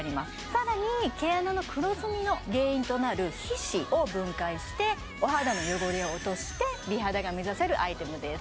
さらに毛穴の黒ずみの原因となる皮脂を分解してお肌の汚れを落として美肌が目指せるアイテムです